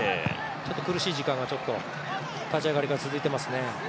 ちょっと苦しい時間が立ち上がりから続いてますね。